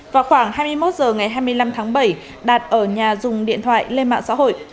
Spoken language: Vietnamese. vào khoảng hai mươi một h ngày hai mươi năm tháng bảy đạt ở nhà dùng điện thoại lên mạng xã hội